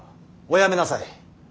おやめなさい。